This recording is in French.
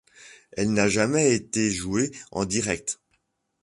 Elle n'a jamais été jouée en direct.